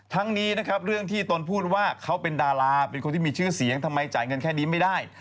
นี้นะครับเรื่องที่ตนพูดว่าเขาเป็นดาราเป็นคนที่มีชื่อเสียงทำไมจ่ายเงินแค่นี้ไม่ได้